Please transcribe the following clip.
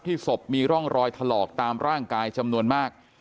ศพมีร่องรอยถลอกตามร่างกายจำนวนมาก